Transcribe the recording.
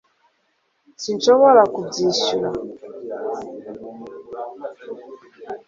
s sinshobora kubishyura